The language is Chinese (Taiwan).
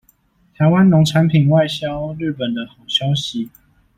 臺灣農產品外銷日本的好消息